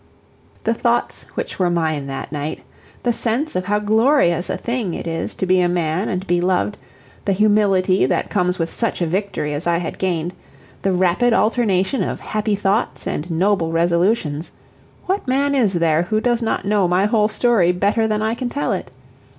The thoughts which were mine that night the sense of how glorious a thing it is to be a man and be loved the humility that comes with such a victory as I had gained the rapid alternation of happy thoughts and noble resolutions what man is there who does not know my whole story better than I can tell it?